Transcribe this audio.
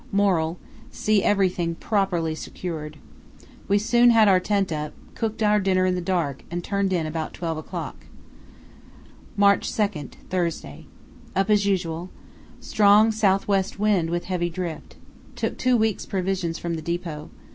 Moral: See everything properly secured. We soon had our tent up, cooked our dinner in the dark, and turned in about 10 o'clock. "March 2, Thursday.—Up as usual. Strong south west wind with heavy drift. Took two weeks' provisions from the depot.